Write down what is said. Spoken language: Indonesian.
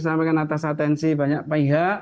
atas atensi banyak pihak